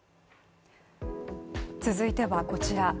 続いてはこちら。